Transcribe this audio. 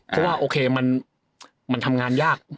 เพราะว่าโอเคมันทำงานยาก